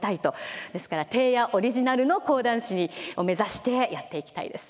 ですから貞弥オリジナルの講談師を目指してやっていきたいです。